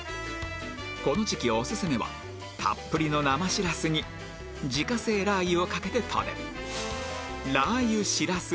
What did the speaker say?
この時期オススメはたっぷりの生シラスに自家製ラー油をかけて食べる